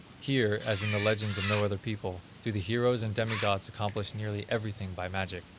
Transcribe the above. Here, as in the legends of no other people, do the heroes and demi gods accomplish nearly everything by magic.